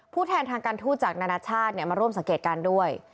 ผู้แทนทางการธูธจากประเทศนามาร่วมสังเกตกันด้วย